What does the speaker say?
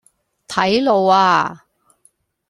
睇路呀